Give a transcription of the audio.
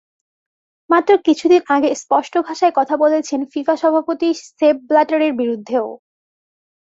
মাত্র কিছুদিন আগে স্পষ্ট ভাষায় কথা বলেছেন ফিফা সভাপতি সেপ ব্ল্যাটারের বিরুদ্ধেও।